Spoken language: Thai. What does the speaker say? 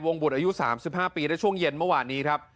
บุตรอายุ๓๕ปีได้ช่วงเย็นเมื่อวานนี้ครับ